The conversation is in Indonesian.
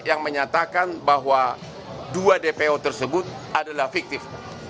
yang menyatakan bahwa dua dpo tersebut adalah fiktif